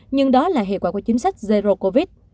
nhưng đó là hệ quả của chính sách zero covid